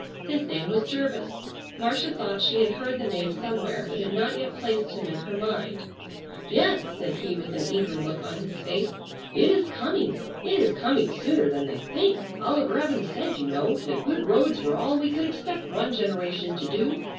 His name was Jervis. Marcia thought she had heard the name somewhere, but had not yet placed him in her mind: "Yes," said he, with an eager look on his face, "it is coming, it is coming sooner than they think. Oliver Evans said, you know, that good roads were all we could expect one generation to do.